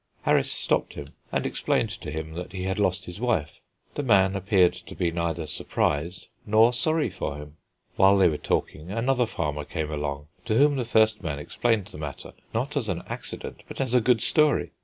Harris stopped him, and explained to him that he had lost his wife. The man appeared to be neither surprised nor sorry for him. While they were talking another farmer came along, to whom the first man explained the matter, not as an accident, but as a good story.